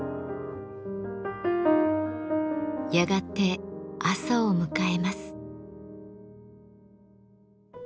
やがて朝を迎えます。